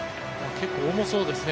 結構重そうですね。